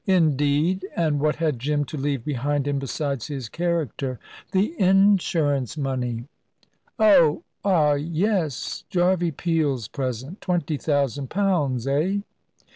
"Indeed! And what had Jim to leave behind him besides his character?" "The insurance money." "Oh ah yes. Jarvey Peel's present. Twenty thousand pounds eh?"